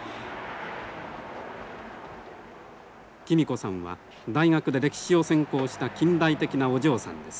貴実子さんは大学で歴史を専攻した近代的なお嬢さんです。